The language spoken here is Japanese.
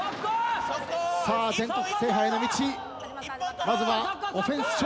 全国制覇への道まずはオフェンス笑